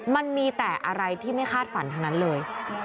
มันมีแต่อะไรที่ไม่คาดฝันทั้งนั้นเลย